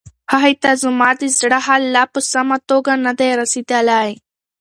هغې ته زما د زړه حال لا په سمه توګه نه دی رسیدلی.